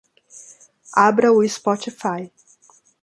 Abra o Spotify.